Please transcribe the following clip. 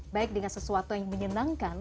baik dengan sesuatu yang menyenangkan